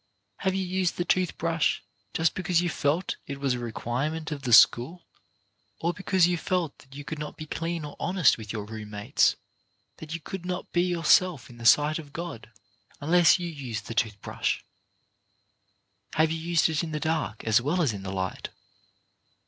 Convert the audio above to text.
Have you used the tooth brush just because you felt it was a requirement of the school, or because you felt that you could HAVE YOU DONE YOUR BEST? 47 not be clean or honest with your room mates, that you could not be yourself in the sight of God, unless you used the tooth brush ? Have you used it in the dark, as well as in the light